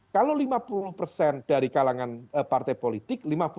kalau lima puluh persen dari kalangan partai politik